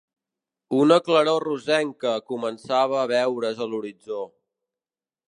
Una claror rosenca començava a veure's a l'horitzó.